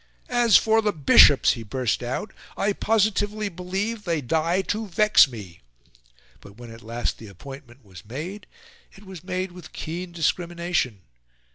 "As for the Bishops," he burst out, "I positively believe they die to vex me." But when at last the appointment was made, it was made with keen discrimination.